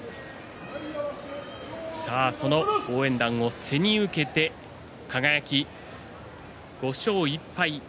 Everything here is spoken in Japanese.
その応援団を背に受けて輝、５勝１敗。